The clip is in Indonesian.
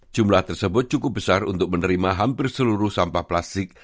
jumlah tersebut cukup besar untuk menerima hampir seluruh sampah plastik